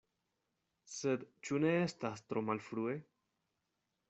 Sed ĉu ne estas tro malfrue?